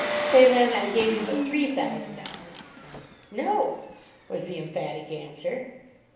"Say, then, I gave you but three thousand dollars." "No," was the emphatic answer.